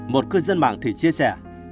một cư dân mạng thì chia sẻ